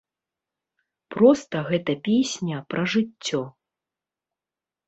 Проста гэта песня пра жыццё.